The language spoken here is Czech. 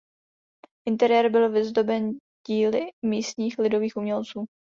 Interiér byl vyzdoben díly místních lidových umělců.